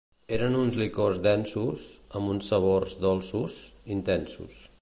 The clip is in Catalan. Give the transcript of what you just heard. Eren uns licors densos, amb uns sabors dolços, intensos.